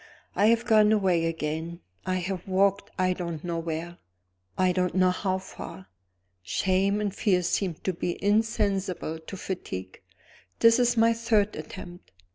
I have gone away again I have walked, I don't know where, I don't know how far. Shame and fear seemed to be insensible to fatigue. This is my third attempt.